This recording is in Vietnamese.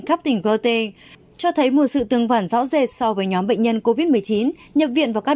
khắp tỉnh guti cho thấy một sự tương phản rõ rệt so với nhóm bệnh nhân covid một mươi chín nhập viện vào các